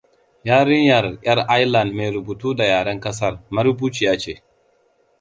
Yarinyar ƴar Iland me rubutu da yaran ƙasar, marubuciya ce.